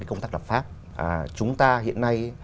công tác lập pháp chúng ta hiện nay